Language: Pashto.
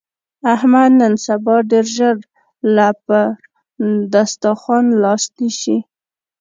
احمد نن سبا ډېر ژر له پر دستاخوان لاس نسي.